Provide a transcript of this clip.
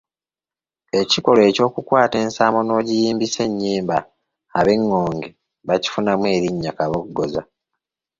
Ekikolwa ekyokukwata ensaamu n’ogiyimbisa ennyimba eb’Engonge bakifunamu erinnya Kabogozza.